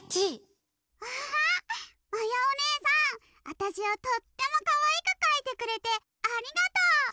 あたしをとってもかわいくかいてくれてありがとう！